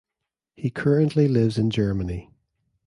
He currently lives in Germany.